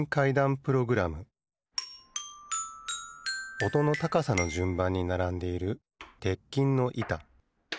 おとのたかさのじゅんばんにならんでいる鉄琴のいた。